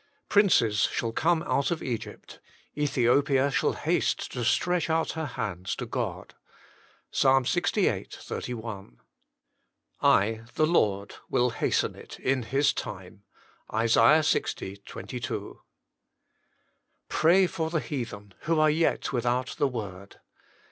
"Princes shall come out of Egypt; Ethiopia shall haste to stretch out her hands to God." Ps. Ixviii. 31. "I the Lord will hasten it in His tinn." ISA. Ix. 22. Pray for the heathen, who are yet without the word.